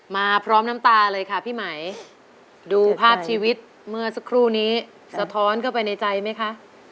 มาพร้อมน้ำตาเลยค่ะพี่ไหมดูภาพชีวิตเมื่อสักครู่นี้สะท้อนเข้าไปในใจไหมคะ